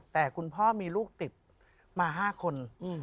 แต่คุณพ่อมีลูกติดมา๕คน